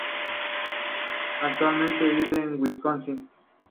Actualmente vive en Wisconsin.